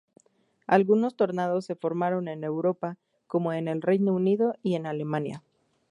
Algunos tornados se formaron en Europa, como en el Reino Unido y en Alemania.